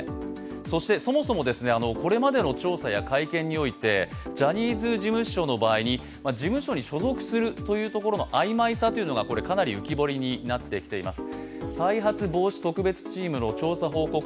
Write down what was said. そして、そもそもこれまでの調査や改憲においてジャニーズ事務所において事務所に所属するというところの曖昧さというのが、かなり浮き彫りになってきています。